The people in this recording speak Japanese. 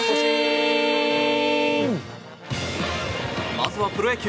まずはプロ野球。